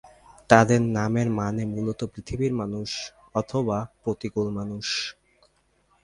তাদের নামের মানে মূলত "পৃথিবীর মানুষ" অথবা "প্রতিকূল মানুষ"।